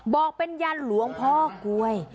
บอกเป็นยันหลวงพ่อกลวย